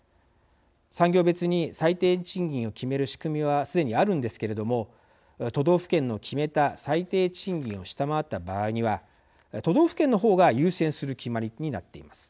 産業別に最低賃金を決める仕組みはすでにあるんですけれども都道府県の決めた最低賃金を下回った場合には都道府県の方が優先する決まりになっています。